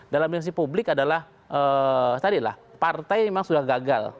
dalam dimensi publik adalah partai memang sudah gagal